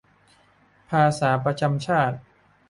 ภาษาประจำชาติ